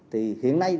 thì hiện nay